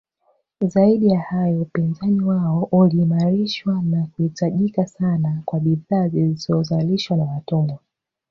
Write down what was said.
Zaidi ya hayo upinzani wao uliimarishwa na kuhitajika sana kwa bidhaa zilizozalishwa na watumwa